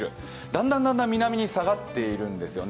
だんだん南に下がっているんですよね。